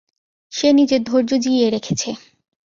সে নিজের ধৈর্য জিইয়ে রেখেছে।